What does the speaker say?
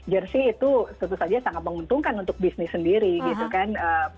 jersi itu tentu saja sangat menguntungkan untuk bisnis sendiri gitu kan